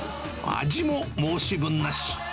味も申し分なし。